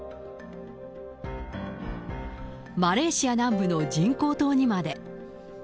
マレーシア南部の人工島にまで。